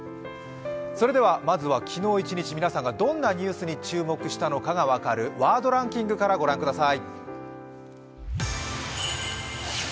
まずは昨日一日皆さんがどんなニュースに注目したのかが分かるワードランキングから御覧ください。